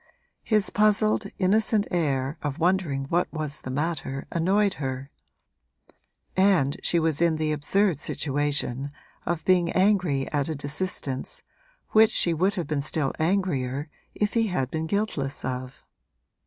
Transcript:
His puzzled, innocent air of wondering what was the matter annoyed her; and she was in the absurd situation of being angry at a desistence which she would have been still angrier if he had been guiltless of.